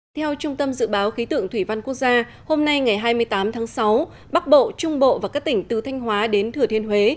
theo trung tâm dự báo khí tượng thủy văn quốc gia hôm nay ngày hai mươi tám tháng sáu bắc bộ trung bộ và các tỉnh từ thanh hóa đến thừa thiên huế